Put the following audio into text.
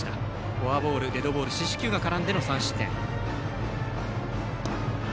フォアボール、デッドボール四死球が絡んでの３失点。